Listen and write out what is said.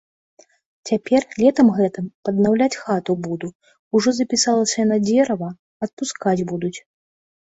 Цяпер, летам гэтым, паднаўляць хату буду, ужо запісалася на дзерава, адпускаць будуць.